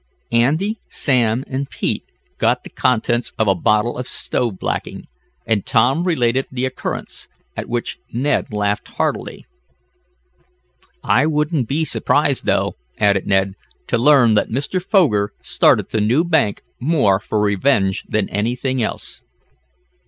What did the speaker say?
"Andy, Sam and Pete got the contents of a bottle of stove blacking," and Tom related the occurrence, at which Ned laughed heartily. "I wouldn't be surprised though," added Ned, "to learn that Mr. Foger started the new bank more for revenge than anything else."